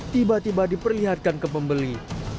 tiba tiba diperlihatkan ke pembeli